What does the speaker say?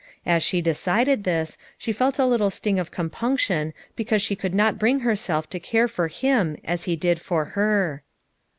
As she decided this, she felt a little sting of compunction be cause she could not bring herself to care for him as he did for her.